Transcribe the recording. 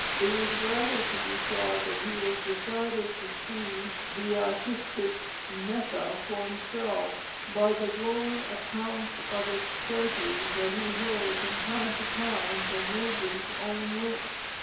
It is rather to be thought that he was decided to see the artistic Mecca for himself, by the glowing accounts of its treasures that he heard from time to time from Rubens' own lips.